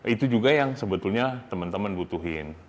itu juga yang sebetulnya temen temen butuhin